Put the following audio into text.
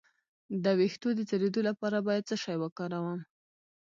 د ویښتو د ځلیدو لپاره باید څه شی وکاروم؟